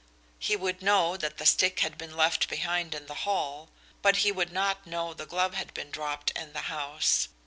He would know that the stick had been left behind in the hall, but he would not know the glove had been dropped in the house.